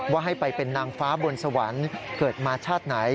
ว่าให้ไปเป็นนางฟ้าบนสวรรค์เกิดมาชาติไหน